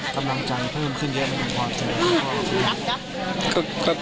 กำลังใจมันเพิ่มขึ้นได้ไหมครับ